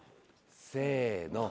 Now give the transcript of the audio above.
せの。